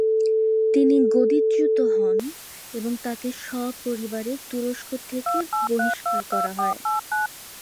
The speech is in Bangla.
তিনি গদিচ্যুত হন এবং তাকে সপরিবারে তুরস্ক থকে বহিষ্কার করা হয়।